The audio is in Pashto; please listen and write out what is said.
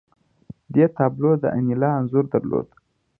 دې تابلو د انیلا انځور درلود